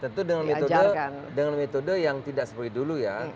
tentu dengan metode yang tidak seperti dulu ya